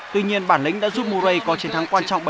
tuy nhiên bản lĩnh đã giúp muray có chiến thắng quan trọng